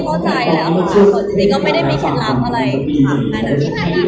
ก็ไม่คือเหมือนมันแบบว่ามันไม่จำเป็นต้องเจอตลอด